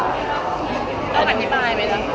ขอแนะนำได้ไหมครับ